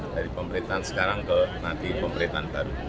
dari pemerintahan sekarang ke nanti pemerintahan baru